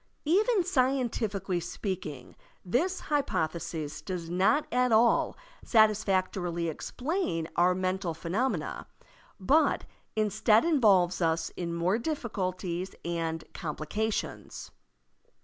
Even scientifically speaking, this hypothesis does not at all satisfactorily explain our mental phenomena, but instead involves us in more difficulties and complications.